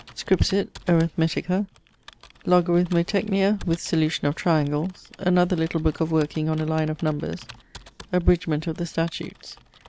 Scripsit Arithmetica; Logarithmotechnia, with solution of triangles; another little booke of working on a line of numbers; Abridgment of the Statutes